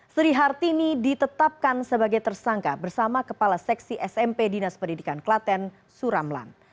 sri hartini ditetapkan sebagai tersangka bersama kepala seksi smp dinas pendidikan klaten suramlan